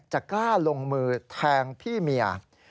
จะกล้าลงมือแทงพี่เมีย